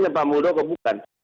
atau pak mudo atau bukan